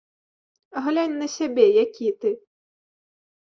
Глянь на сябе, які ты.